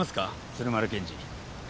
鶴丸検事。